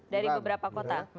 dari beberapa kota